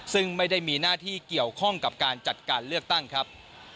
ซึ่งไม่ได้มีหน้าที่เกี่ยวข้องกับการจัดการเลือกตั้งครับ